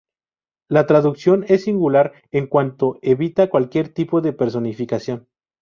La traducción es singular en cuanto evita cualquier tipo de personificación.